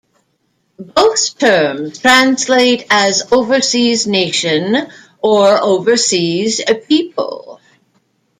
Both terms translate as "overseas nation" or "overseas people".